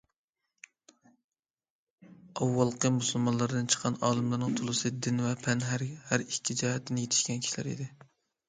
ئاۋۋالقى مۇسۇلمانلاردىن چىققان ئالىملارنىڭ تولىسى دىن ۋە پەن ھەر ئىككى جەھەتتىن يېتىشكەن كىشىلەر ئىدى.